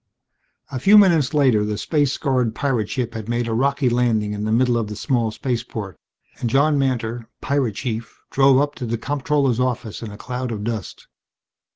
A few minutes later the space scarred pirate ship had made a rocky landing in the middle of the small spaceport and John Mantor, pirate chief, drove up to the comptroller's office in a cloud of dust.